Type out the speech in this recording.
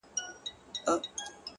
څنگه درد دی- څنگه کيف دی- څنگه راز دی-